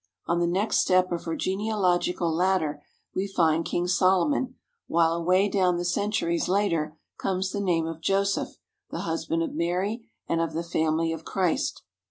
On the next step of her genealogical ladder we find King Solomon, while away down the centuries later comes the name of Joseph, the husband of Mary, and of the family of Christ.